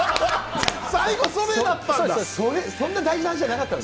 最後それだったんだ。